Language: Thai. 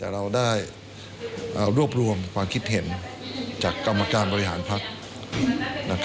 แต่เราได้รวบรวมความคิดเห็นจากกรรมการบริหารภักดิ์